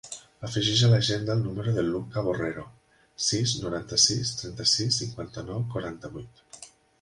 Afegeix a l'agenda el número del Lucca Borrero: sis, noranta-sis, trenta-sis, cinquanta-nou, quaranta-vuit.